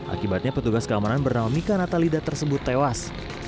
akibatnya petugas keamanan bernama mika natalida tersebut tewas